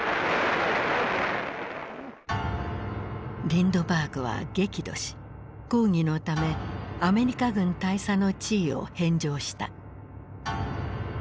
リンドバーグは激怒し抗議のためアメリカ軍大佐の地位を返上した。